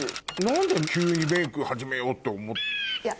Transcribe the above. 何で急にメイク始めようと思ったんですか？